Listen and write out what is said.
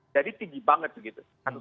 jadi tinggi banget begitu